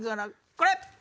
これ！